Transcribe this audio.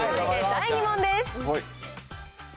第２問です。